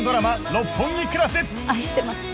愛してます。